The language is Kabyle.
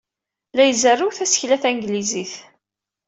La izerrew tasekla tanglizit.